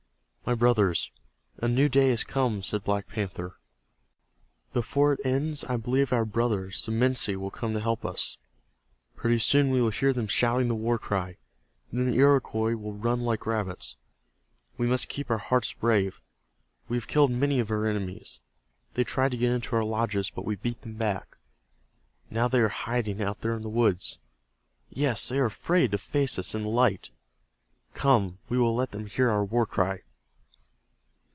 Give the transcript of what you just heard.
"My brothers, a new day has come," said Black Panther. "Before it ends I believe our brothers, the Minsi, will come to help us. Pretty soon we will hear them shouting the war cry. Then the Iroquois will run like rabbits. We must keep our hearts brave. We have killed many of our enemies. They tried to get into our lodges, but we beat them back. Now they are hiding out there in the woods. Yes, they are afraid to face us in the light. Come, we will let them hear our war cry."